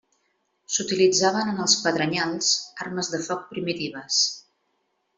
S'utilitzaven en els pedrenyals, armes de foc primitives.